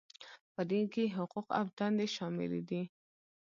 په دې کې حقوق او دندې شاملې دي.